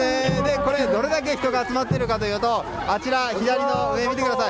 これ、なぜ人が集まっているかというと左の上を見てください。